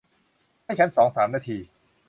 ให้ฉันสองสามนาที